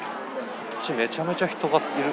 こっちめちゃめちゃ人がいる。